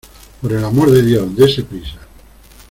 por el amor de Dios, dese prisa.